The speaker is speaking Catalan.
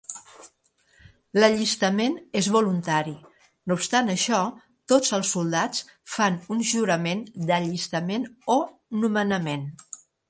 L'allistament és voluntari, no obstant això tots els soldats fan un jurament d'allistament o nomenament.